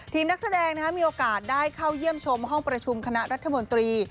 นักแสดงมีโอกาสได้เข้าเยี่ยมชมห้องประชุมคณะรัฐมนตรี